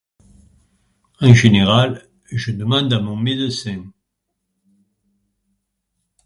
En général, je demande à mon médecin